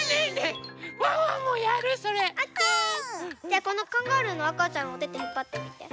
じゃあこのカンガルーのあかちゃんをおててひっぱってみて。